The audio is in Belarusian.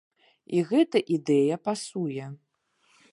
І гэта ідэя пасуе.